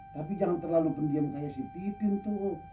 tapi jangan terlalu pendiam kayak si titin tuh